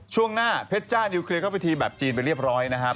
ช่วงหน้าเพชรจ้านิวเคลียร์เข้าไปทีแบบจีนไปเรียบร้อยนะครับ